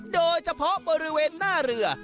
โดยเฉพาะบริเวณหน้าเรือ